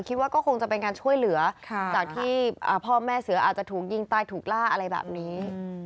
คิดว่าก็คงจะเป็นการช่วยเหลือจากที่พ่อแม่เสืออาจจะถูกยิงตายถูกล่าอะไรแบบนี้